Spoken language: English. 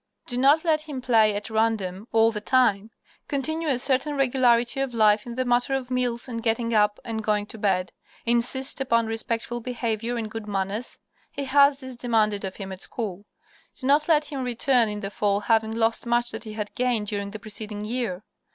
Do not let him play at random all the time. Continue a certain regularity of life in the matter of meals and getting up and going to bed. Insist upon respectful behavior and good manners. He has these demanded of him at school. Do not let him return in the fall having lost much that he had gained during the preceding year.